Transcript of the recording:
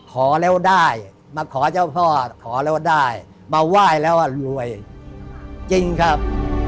ขอแล้วได้มาขอเจ้าพ่อขอแล้วได้มาไหว้แล้วอ่ะรวยจริงครับ